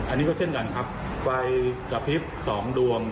อันนี้ก็เช่นกันครับไฟกระพริบสองดวง